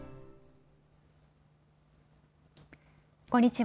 こんにちは。